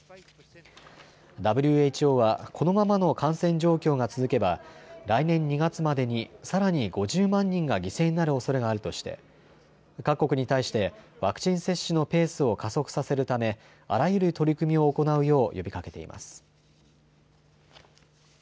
ＷＨＯはこのままの感染状況が続けば来年２月までにさらに５０万人が犠牲になるおそれがあるとして各国に対してワクチン接種のペースを加速させるためあらゆる取り組みを行うよう呼びかけています。